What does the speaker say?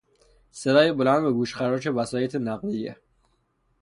صدای بلند و گوشخراش وسایط نقلیه